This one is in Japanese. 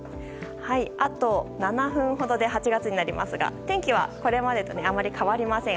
あと７分ほどで８月になりますが天気はこれまでとあまり変わりません。